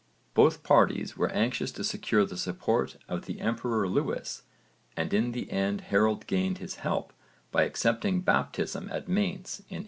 Both parties were anxious to secure the support of the emperor Lewis and in the end Harold gained his help by accepting baptism at Mainz in 826.